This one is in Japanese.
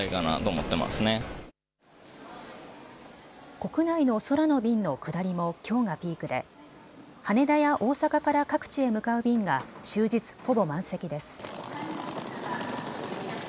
国内の空の便の下りもきょうがピークで羽田や大阪から各地へ向かう便が終日、ほぼ満席です。